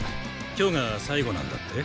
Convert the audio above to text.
今日が最後なんだって？